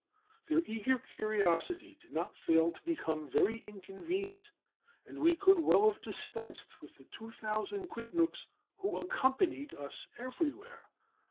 "Their eager curiosity did not fail to become very inconvenient, and we could well have dispensed with the 20,000 quidnuncs who accompanied us everywhere.